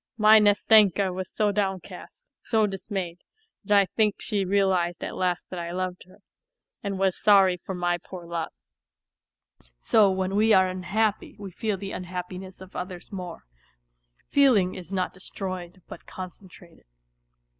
My Nastenka.was so downcast, so dismayed, that I think she realized at last that I loved her, and was sorry D < 34 WHITE NIGHTS for my poor love. So when we are unhappy we feel the unhappi ness of others more ; feeling is not destroyed but concentrated.